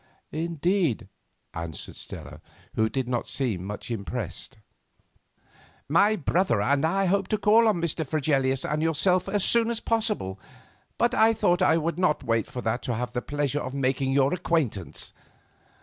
"Indeed," answered Stella, who did not seem much impressed. "My brother and I hope to call upon Mr. Fregelius and yourself as soon as possible, but I thought I would not wait for that to have the pleasure of making your acquaintance."